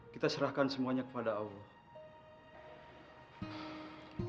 kita serahkan semuanya kepada allah